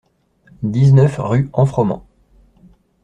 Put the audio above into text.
dix-neuf rue En Froment